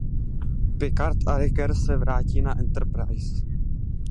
Picard a Riker se vrátí na Enterprise.